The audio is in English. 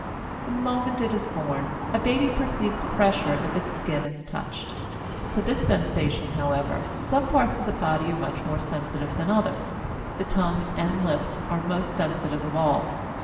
The moment it is born, a baby perceives pressure if its skin is touched. To this sensation, however, some parts of the body are much more sensitive than others; the tongue and lips are most sensitive of all.